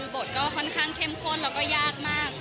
บทก็ข้างเข้มโครนแล้วก็ยากมาก